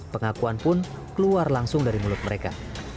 pengakuan pun keluar langsung dari mulut mereka